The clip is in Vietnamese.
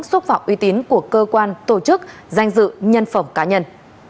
xúc phạm uy tín của cơ quan tổ chức danh dự nhân phẩm cá nhân